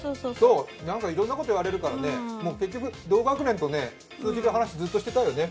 なんかいろんなこと言われるからね、結局、同学年と通じる話をずっとしてたいよね。